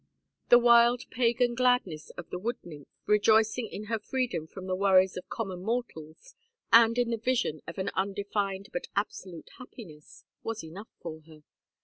The wild pagan gladness of the wood nymph, rejoicing in her freedom from the worries of common mortals, and in the vision of an undefined but absolute happiness, was enough for her.